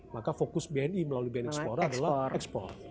maka fokus bni melalui bni ekspor adalah ekspor